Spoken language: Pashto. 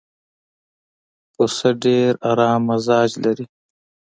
پسه ډېر ارام مزاج لري.